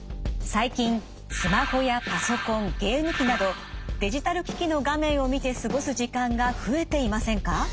最近スマホやパソコンゲーム機などデジタル機器の画面を見て過ごす時間が増えていませんか？